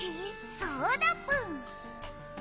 そうだぷんっ！